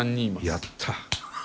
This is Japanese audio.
やった！